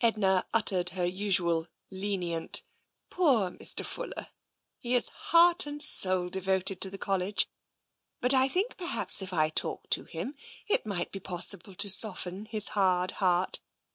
Edna uttered her usual lenient " Poor Mr. Fuller ! He is heart and soul devoted to the College. But I think perhaps if I talked to him, it might be possible to soften his hard heart.